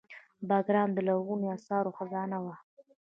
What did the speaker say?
بګرام د لرغونو اثارو خزانه وه